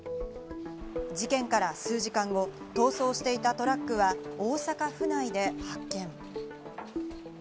事件から数時間後、逃走していたトラックは大阪府内で発見。